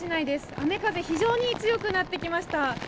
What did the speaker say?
雨風非常に強くなってきました。